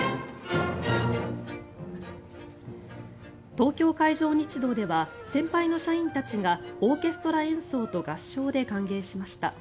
東京海上日動では先輩の社員たちがオーケストラ演奏と合唱で歓迎しました。